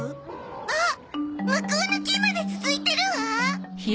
あっ向こうの木まで続いてるわ。